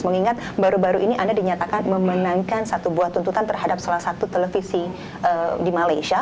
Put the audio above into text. mengingat baru baru ini anda dinyatakan memenangkan satu buah tuntutan terhadap salah satu televisi di malaysia